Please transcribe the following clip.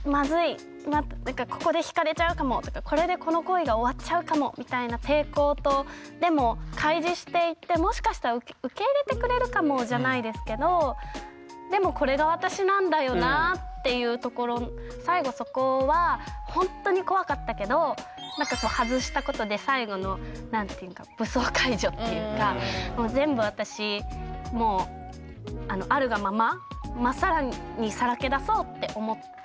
なんかここで引かれちゃうかもとかこれでこの恋が終わっちゃうかもみたいな抵抗とでも開示していってもしかしたら受け入れてくれるかもじゃないですけどでも最後そこはほんとに怖かったけどなんか外したことで最後の何て言うか武装解除っていうか全部私もうあるがまま真っさらにさらけ出そうって思って。